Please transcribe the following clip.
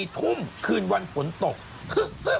๔ทุ่มคืนวันฝนตก